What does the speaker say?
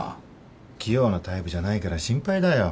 器用なタイプじゃないから心配だよ。